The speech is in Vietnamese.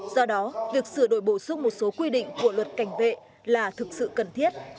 do đó việc sửa đổi bổ sung một số quy định của luật cảnh vệ là thực sự cần thiết